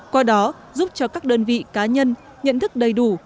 qua đó giúp cho các đơn vị cá nhân nhận thức đầy đủ